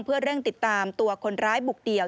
เพื่อเร่งติดตามตัวคนร้ายบุกเดี่ยว